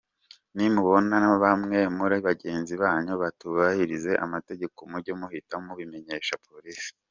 Nimubona bamwe muri bagenzi banyu batubahiriza amategeko mujye muhita mubimenyesha Polisi.’’